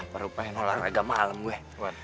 perupahan olahraga malam gue